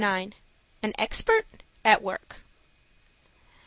AN EXPERT(?) AT WORK.